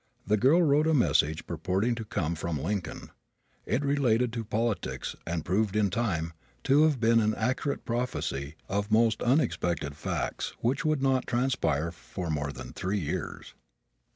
The girl wrote a message purporting to come from Lincoln. It related to politics and proved, in time, to have been an accurate prophecy of most unexpected facts which would not transpire for more than three years!